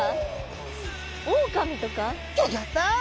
ギョギョッと！